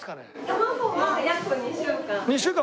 卵は約２週間。